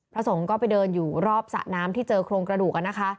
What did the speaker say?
พระสงฆ์ก็ไปเดินอยู่รอบสระน้ำที่เจอโครงกระดูก